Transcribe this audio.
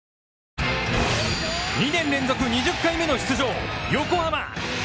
２年連続２０回目の出場、横浜！